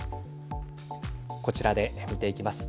こちらで見ていきます。